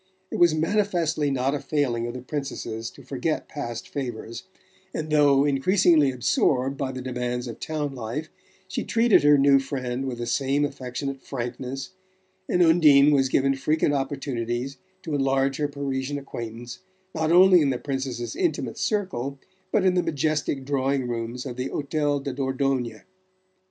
It was manifestly not a failing of the Princess's to forget past favours, and though increasingly absorbed by the demands of town life she treated her new friend with the same affectionate frankness, and Undine was given frequent opportunities to enlarge her Parisian acquaintance, not only in the Princess's intimate circle but in the majestic drawing rooms of the Hotel de Dordogne.